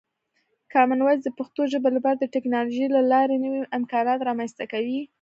کامن وایس د پښتو ژبې لپاره د ټکنالوژۍ له لارې نوې امکانات رامنځته کوي.